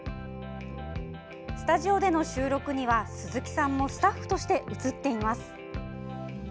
スタジオでの収録には鈴木さんもスタッフとして映っています。